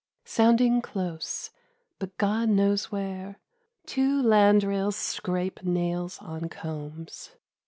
S uinding close, But God knows where, two landrails scrape Nails on combs.